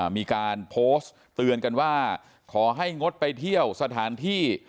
มีการโพสต์เตือนกันว่าขอให้งดไปเที่ยวสถานที่